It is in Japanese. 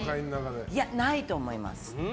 ないと思います。